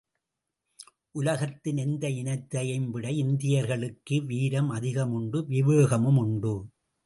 உலகத்தின் எந்த இனத்தையும் விட இந்தியர்களுக்கு வீரம் அதிகம் உண்டு விவேகமும் உண்டு.